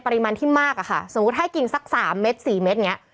ปริมาณที่มากอะค่ะสมมุติให้กินสักสามเม็ดสี่เม็ดอย่างเงี้